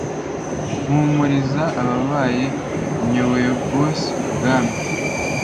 Mpumuriza abababaye; Nyobore bosei Bwami.